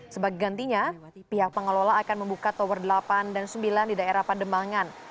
sebagai gantinya pihak pengelola akan membuka tower delapan dan sembilan di daerah pademangan